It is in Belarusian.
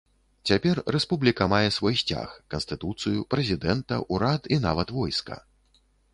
Цяпер рэспубліка мае свой сцяг, канстытуцыю, прэзідэнта, урад і нават войска.